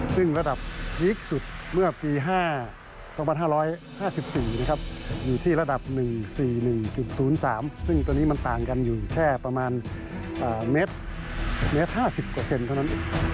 ซึ่งระดับพีคสุดเมื่อปี๒๕๕๔นะครับอยู่ที่ระดับ๑๔๑๐๓ซึ่งตอนนี้มันต่างกันอยู่แค่ประมาณเมตร๕๐เท่านั้น